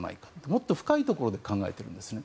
もっと深いところで考えているんですね。